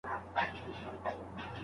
ځینې سردردونه د سر په مخ کې وي.